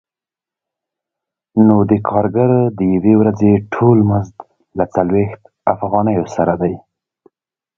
نو د کارګر د یوې ورځې ټول مزد له څلوېښت افغانیو سره دی